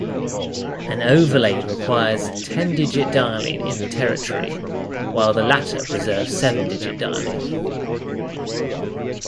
An overlay requires ten-digit dialing in the territory, while the latter preserves seven-digit dialing.